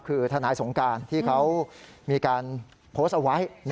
คือทนายสงการที่เขามีการโพสต์เอาไว้